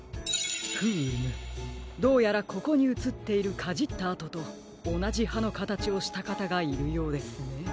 フームどうやらここにうつっているかじったあととおなじはのかたちをしたかたがいるようですね。